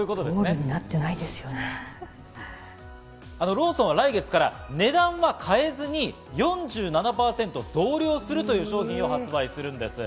ローソンは来月から値段は変えずに４７％増量するという商品を発売するんです。